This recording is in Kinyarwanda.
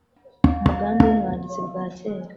Umugambi w’umwanditsi bwacyera